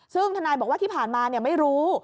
ซึ่งทนายบอกว่าที่ผ่านมาไม่รู้